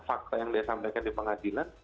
fakta yang dia sampaikan di pengadilan